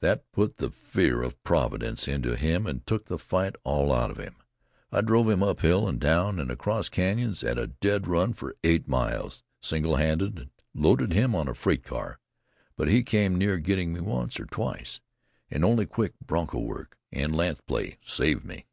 That put the fear of Providence into him and took the fight all out of him. I drove him uphill and down, and across canyons at a dead run for eight miles single handed, and loaded him on a freight car; but he came near getting me once or twice, and only quick broncho work and lance play saved me.